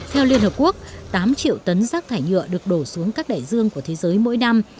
theo liên hợp quốc tám triệu tấn rác thải nhựa được đổ xuống các đại dương của thế giới mỗi năm